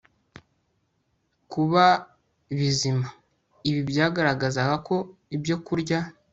kuba bizima Ibi byagaragaza ko ibyokurya